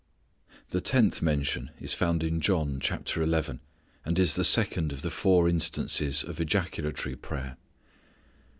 The tenth mention is found in John, chapter eleven, and is the second of the four instances of ejaculatory prayer.